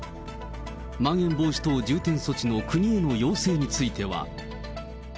まん延防止等重点措置の国への要請については。